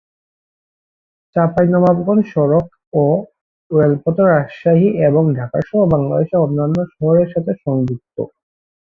চাঁপাইনবাবগঞ্জ সড়ক ও রেলপথে রাজশাহী এবং ঢাকাসহ বাংলাদেশের অন্যান্য শহরের সাথে সংযুক্ত।